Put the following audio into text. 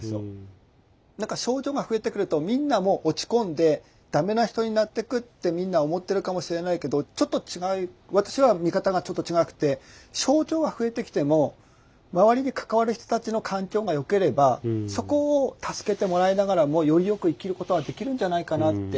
何か症状が増えてくるとみんなもう落ち込んで駄目な人になっていくってみんな思ってるかもしれないけど私は見方がちょっと違くて症状が増えてきても周りで関わる人たちの環境がよければそこを助けてもらいながらもよりよく生きることはできるんじゃないかなって。